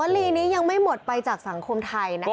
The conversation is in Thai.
ลีนี้ยังไม่หมดไปจากสังคมไทยนะคะ